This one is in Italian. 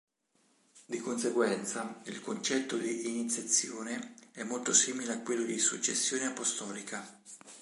Di conseguenza il concetto di iniziazione è molto simile a quello di successione apostolica.